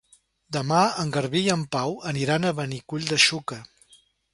Demà en Garbí i en Pau aniran a Benicull de Xúquer.